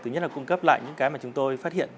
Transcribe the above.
thứ nhất là cung cấp lại những cái mà chúng tôi phát hiện